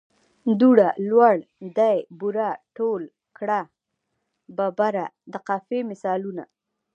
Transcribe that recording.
دوړه، لوړ دي، بوره، ټول کړه، ببره د قافیې مثالونه.